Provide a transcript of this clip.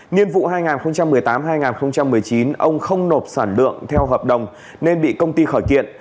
nhiên vụ hai nghìn một mươi tám hai nghìn một mươi chín ông không nộp sản lượng theo hợp đồng nên bị công ty khởi kiện